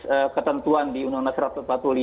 ada ketentuan di undang undang satu ratus empat puluh lima